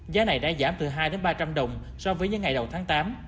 giá này đã giảm từ hai đồng đến ba đồng so với những ngày đầu tháng tám